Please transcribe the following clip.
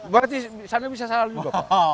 berarti anda bisa salah juga pak